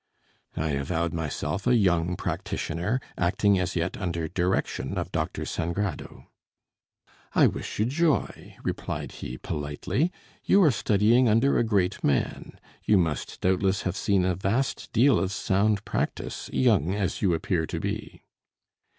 I avowed myself a young practitioner, acting as yet under direction of Dr. Sangrado. "I wish you joy," replied he politely; "you are studying under a great man. You must doubtless have seen a vast deal of sound practise, young as you appear to be."